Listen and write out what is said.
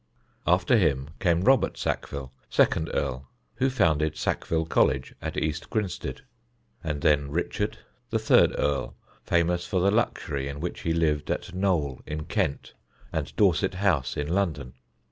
After him came Robert Sackville, second earl, who founded Sackville College at East Grinstead; and then Richard, the third earl, famous for the luxury in which he lived at Knole in Kent and Dorset House in London.